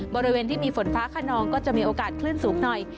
บริเวณที่มีฝนฟ้าขนองก็จะมีโอกาสคลื่นสูงหน่อย